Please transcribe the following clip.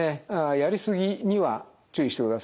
やりすぎには注意してください。